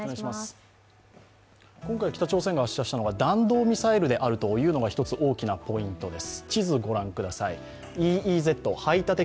今回、北朝鮮が発射したのが弾道ミサイルであるというのが１つ大きなポイントです。